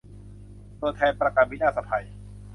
ตัวแทนประกันวินาศภัย